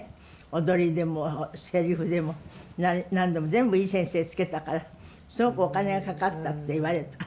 踊りでもセリフでも何でも全部いい先生つけたからすごくお金がかかったって言われた。